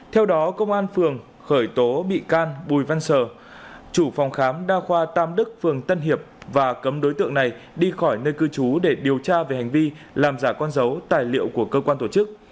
theo đó công an phường khởi tố bị can bùi văn sờ chủ phòng khám đa khoa tam đức phường tân hiệp và cấm đối tượng này đi khỏi nơi cư trú để điều tra về hành vi làm giả con dấu tài liệu của cơ quan tổ chức